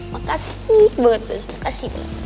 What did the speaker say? makasih banget mas makasih banget